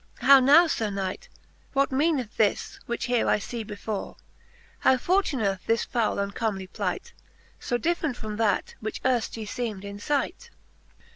How nov/. Sir Knight ? What meaneth this, which here I fee before ? How fortuneth this foule uncomely plight So different from that, which earft ye feem'd in fight